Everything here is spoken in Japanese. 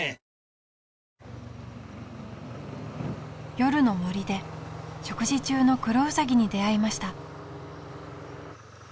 夜の森で食事中のクロウサギに出会いました